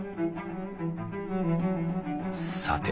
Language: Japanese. さて